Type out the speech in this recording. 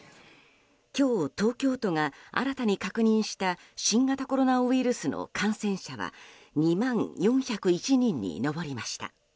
今日、東京都が新たに確認した新型コロナウイルスの感染者は２万４０１人に上りました。